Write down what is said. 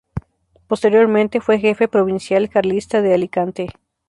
Posteriormente fue jefe provincial carlista de Alicante.